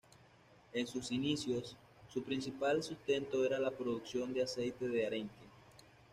En sus inicios, su principal sustento era la producción de aceite de arenque.